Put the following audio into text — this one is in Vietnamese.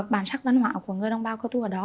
bản sắc văn hóa của người đồng bào cơ tu ở đó